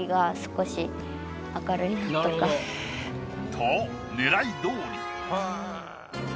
とねらいどおり。